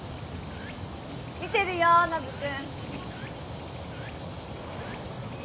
見てるよノブ君。